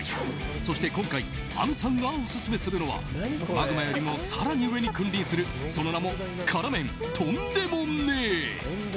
そして今回亜美さんがオススメするのはマグマよりも更に上に君臨するその名も辛麺とんでもねぇ！